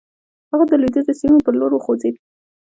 هغه د لويديځو سيمو پر لور وخوځېد.